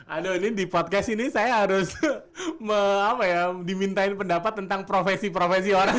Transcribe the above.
aduh ini di podcast ini saya harus dimintain pendapat tentang profesi profesi orang